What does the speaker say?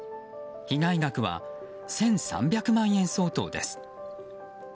被害額は１３００万円相当です。